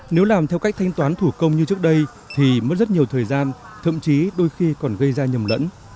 nếu làm theo cách thanh toán thủ công như trước đây thì mất rất nhiều thời gian thậm chí đôi khi còn gây ra nhầm lẫn